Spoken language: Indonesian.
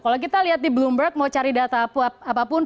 kalau kita lihat di bloomberg mau cari data apapun